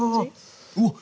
うわっ